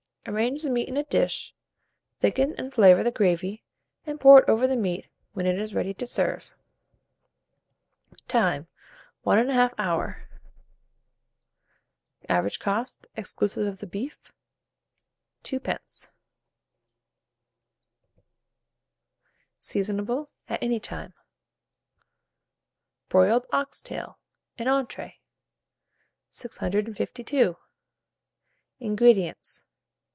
Arrange the meat in a dish, thicken and flavour the gravy, and pour it over the meat, when it is ready to serve. Time. 1 1/2 hour. Average cost, exclusive of the beef, 2d. Seasonable at any time. BROILED OX TAIL (an Entree). 652. INGREDIENTS.